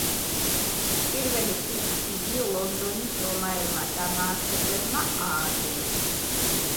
პირველი ხის ხიდი ლონდონის რომაელმა დამაარსებლებმა ააგეს.